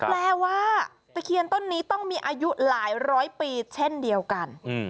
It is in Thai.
แปลว่าตะเคียนต้นนี้ต้องมีอายุหลายร้อยปีเช่นเดียวกัน